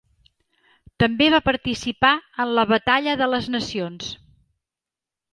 També va participar en la Batalla de les Nacions.